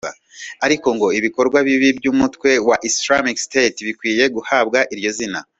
ariko ngo ibikorwa bibi by’umutwe wa Islamic State bikwiye guhabwa iryo zina